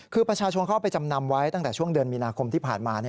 คือประชาชนเขาไปจำนำไว้ตั้งแต่ช่วงเดือนมีนาคมที่ผ่านมา